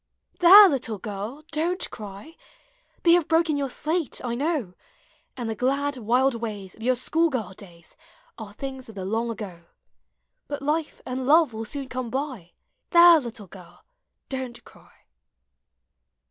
There! little girl, don't cry! They have broken your slate, I know; And the glad, wild ways Of your school girl days 128 POEMS OF HOME. Are things of the long ago; But life and love will soon come by. — There! little girl, don't cry!